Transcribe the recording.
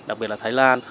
đặc biệt là thái lan